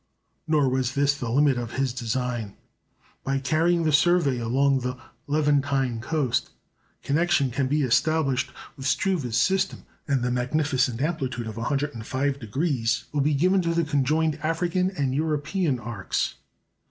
Nor was this the limit of his design. By carrying the survey along the Levantine coast, connection can be established with Struve's system, and the magnificent amplitude of 105° will be given to the conjoined African and European arcs.